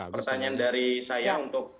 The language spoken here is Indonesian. pertanyaan dari saya untuk